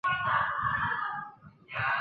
圣瓦阿斯德隆格蒙。